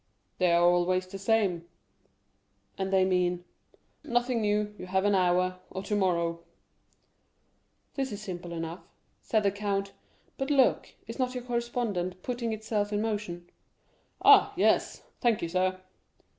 "They are always the same." "And they mean——" "'Nothing new; You have an hour;' or 'Tomorrow.'" "This is simple enough," said the count; "but look, is not your correspondent putting itself in motion?" "Ah, yes; thank you, sir."